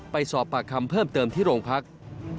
ไปสอบปากคำเพิ่มเติมที่โรงพัก